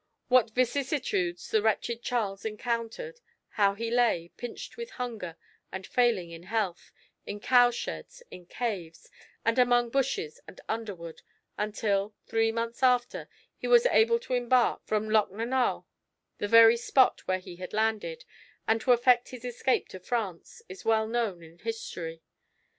What vicissitudes the wretched Charles encountered, how he lay, pinched with hunger, and failing in health, in cowsheds, in caves and among bushes and underwood until, three months after, he was able to embark from Lochnanuagh, the very spot where he had landed, and to effect his escape to France, is well known in history.